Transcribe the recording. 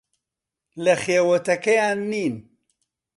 لە خێوەتەکەیان نین.